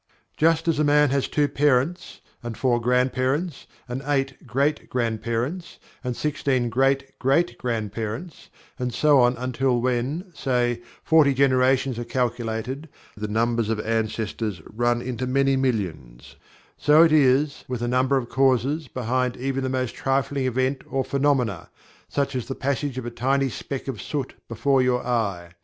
Just as a man has two parents, and four grandparents, and eight great grandparents, and sixteen great great grandparents, and so on until when, say, forty generations are calculated the numbers of ancestors run into many millions so it is with the number of causes behind even the most trifling event or phenomena, such as the passage of a tiny speck of soot before your eye.